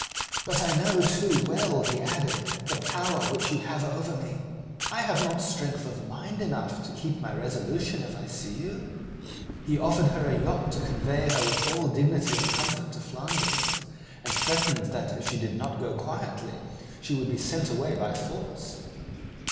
"But I know too well," he added, "the power which you have over me. I have not strength of mind enough to keep my resolution if I see you." He offered her a yacht to convey her with all dignity and comfort to Flanders, and threatened that if she did not go quietly she should be sent away by force.